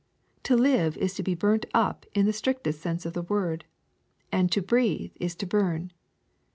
To live is to be burnt up in the strictest sense of the word ; and to breathe is to burn.